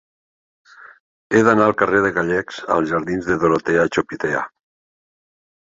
He d'anar del carrer de Gallecs als jardins de Dorotea Chopitea.